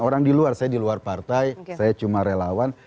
orang di luar saya di luar partai saya cuma relawan